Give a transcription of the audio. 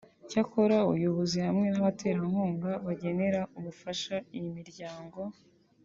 Cyakora ubuyobozi hamwe n’abaterankunga bagenera ubufasha iyi miryango